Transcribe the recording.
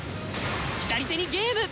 左手にゲーム！